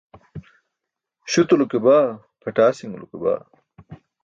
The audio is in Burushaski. Śutulo ke baa, pʰatasiṅulo ke baa.